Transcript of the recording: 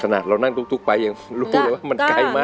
เรานั่งทุกไปยังรู้เลยว่ามันไกลมาก